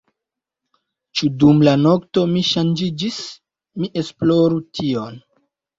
Ĉu dum la nokto mi ŝanĝiĝis? mi esploru tion.